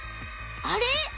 あれ？